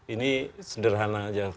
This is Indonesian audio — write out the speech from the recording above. ini sederhana saja